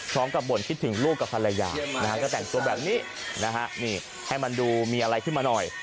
กับบ่นคิดถึงลูกกับภรรยานะฮะก็แต่งตัวแบบนี้นะฮะนี่ให้มันดูมีอะไรขึ้นมาหน่อย